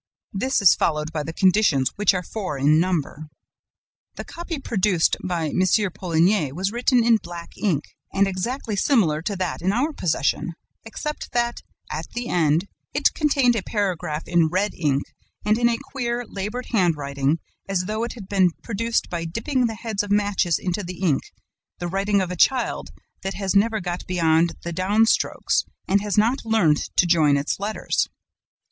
This is followed by the conditions, which are four in number. "The copy produced by M. Poligny was written in black ink and exactly similar to that in our possession, except that, at the end, it contained a paragraph in red ink and in a queer, labored handwriting, as though it had been produced by dipping the heads of matches into the ink, the writing of a child that has never got beyond the down strokes and has not learned to join its letters.